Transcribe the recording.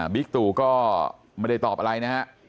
บิ๊กตู่ก็ไม่ได้ตอบอะไรนะครับ